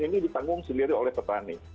ini ditanggung sendiri oleh petani